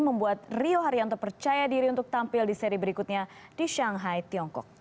membuat rio haryanto percaya diri untuk tampil di seri berikutnya di shanghai tiongkok